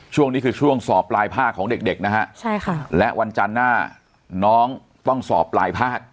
ช่วงนี้คือช่วงสอบปลายภาคของเด็กเด็กนะฮะใช่ค่ะและวันจันทร์หน้าน้องต้องสอบปลายภาค